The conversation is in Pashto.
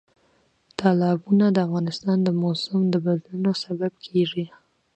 تالابونه د افغانستان د موسم د بدلون سبب کېږي.